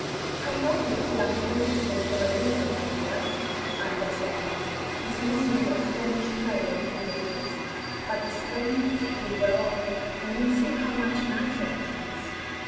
"I know you'll feel uncomfortable for a little, dear," Ida said, dismissing the astonished maiden with a kiss, "but the strangeness will wear off; and you'll see how much nicer it is."